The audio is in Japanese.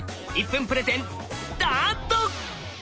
１分プレゼンスタート！